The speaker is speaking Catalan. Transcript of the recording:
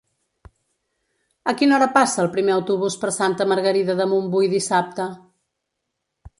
A quina hora passa el primer autobús per Santa Margarida de Montbui dissabte?